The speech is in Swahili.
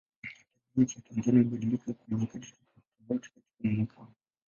Tabianchi ya Tanzania hubadilika kwa nyakati tofautitofauti katika mwaka.